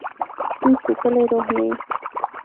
سپین سپيڅلې روح مې یې